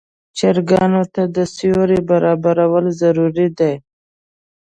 چرګانو ته د سیوري برابرول ضروري دي.